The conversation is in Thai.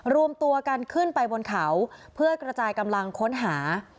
รวมตัวกันขึ้นไปบนเขาเพื่อกระจายกำลังค้นหา